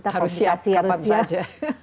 harus siap kapan saja